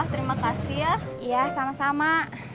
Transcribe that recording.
terima kasih ya sama sama